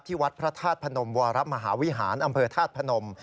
วัดพระธาตุพนมวรมหาวิหารอำเภอธาตุพนม